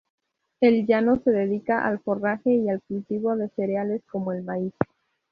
El llano se dedica al forraje y al cultivo de cereales como el maíz.